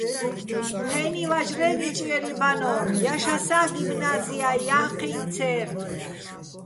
ჴე́ნი ვაჟრე́ ნიჭიერი ბანო́რ, ჲაშასა́ გიმნაზია́ ჲა́ჴიჼ ცე́რ.